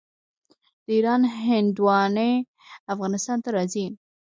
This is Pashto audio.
د ایران هندواڼې افغانستان ته راځي.